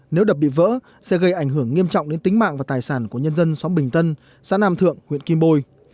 nếu đập bị vỡ sẽ gây ảnh hưởng nghiêm trọng đến tính mạng và tài sản của nhân dân xóm bình tân xã nam thượng huyện kim bôi